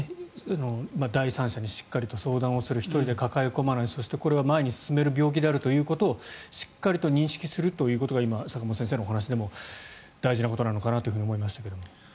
第三者にしっかり相談をする１人で抱え込まないそして、これは前に進める病気であるということをしっかりと認識するということが今、坂元先生のお話でも大事なのかなと思いましたけど。